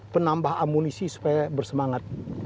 penambah amunisi supaya bersemangat